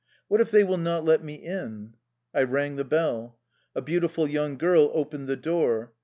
" What if they will not let me in?" I rang the bell. A beautiful young girl opened the door.